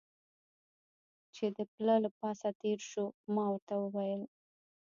چې د پله له پاسه تېر شو، ما ورته وویل.